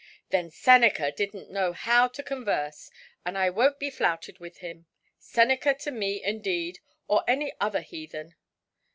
"Then Seneca didnʼt know how to converse, and I wonʼt be flouted with him. Seneca to me, indeed, or any other heathen!